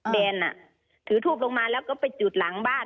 แดนถือทูบลงมาแล้วก็ไปจุดหลังบ้าน